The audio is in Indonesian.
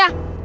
ah itu siapa